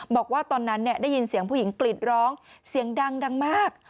บอกว่าตอนนั้นได้ยินเสียงผู้หญิงกรีดร้องเสียงดังมาก